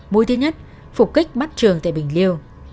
mũi thứ nhất phục kích mắt trường tại bình liêu